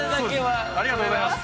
ありがとうございます。